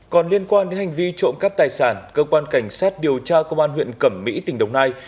còn liên quan đến hành vi trộm cắp tài sản cơ quan cảnh sát điều tra công an huyện cẩm mỹ tỉnh đồng nai